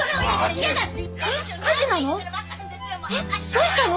どうしたの？